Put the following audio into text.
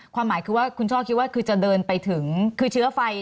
ความหมายคือว่าคุณช่อคิดว่าเครือไฟ